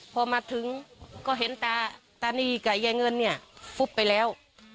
พอมาถึงก็เห็นตาตานีกับยายเงินเนี่ยฟุบไปแล้ว